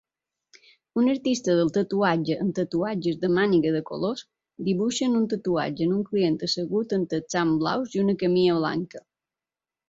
Un artista del tatuatge amb tatuatges de màniga de colors dibuixen un tatuatge en un client assegut en texans blaus i una camisa blanca